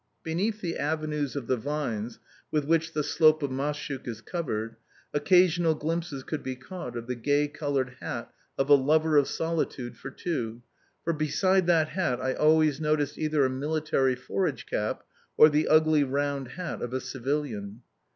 Beneath the avenues of the vines with which the slope of Mashuk is covered, occasional glimpses could be caught of the gay coloured hat of a lover of solitude for two for beside that hat I always noticed either a military forage cap or the ugly round hat of a civilian.